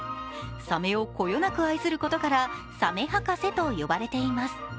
サメをこよなく愛することからサメ博士と呼ばれています。